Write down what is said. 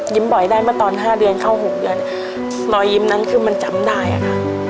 ยิ้มบ่อยได้มาตอน๕เดือนเข้า๖เดือนหนอยิ้มนั้นคือมันจำได้ค่ะ